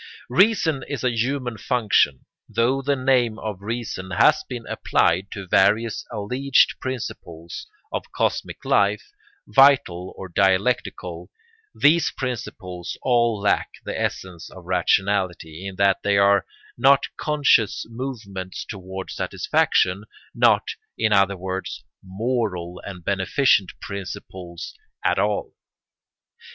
] Reason is a human function. Though the name of reason has been applied to various alleged principles of cosmic life, vital or dialectical, these principles all lack the essence of rationality, in that they are not conscious movements toward satisfaction, not, in other words, moral and beneficent principles at all.